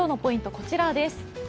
こちらです。